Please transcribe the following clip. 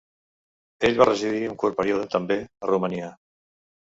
Ell va residir un curt període, també, a Romania.